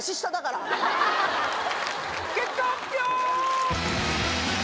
結果発表！